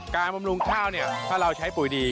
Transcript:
การบำรุงข้าวถ้าเราใช้ปุ๋ยดี